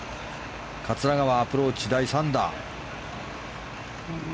桂川、アプローチ、第３打。